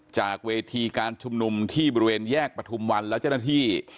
จากเวทีการชุมนุมที่บริเวณแยกประทุมวันและเจ้าหน้าที่